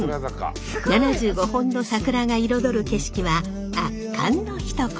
７５本の桜が彩る景色は圧巻のひと言！